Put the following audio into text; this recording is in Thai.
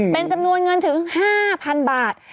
เป็นจำนวนเงินถึง๕๐๐๐บาท